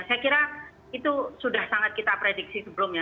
saya kira itu sudah sangat kita prediksi sebelumnya